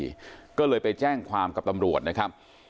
อายุหกสิบสามปีไปแจ้งความกับตำรวจน้อง